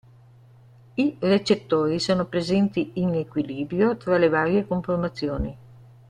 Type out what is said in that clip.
I recettori sono presenti in equilibrio tra le varie conformazioni.